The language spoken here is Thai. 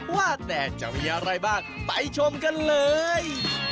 ว่าแต่จะมีอะไรบ้างไปชมกันเลย